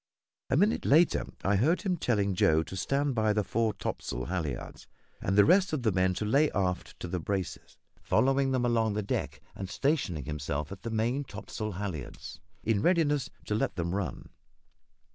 A minute later I heard him telling Joe to stand by the fore topsail halliards, and the rest of the men to lay aft to the braces, following them along the deck and stationing himself at the main topsail halliards in readiness to let them run.